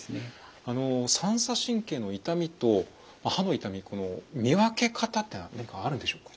あの三叉神経の痛みと歯の痛みの見分け方というのは何かあるんでしょうか？